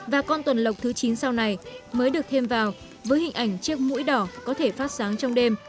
và con tuần lọc thứ chín sau này mới được thêm vào với hình ảnh chiếc mũi đỏ có thể phát sáng trong đêm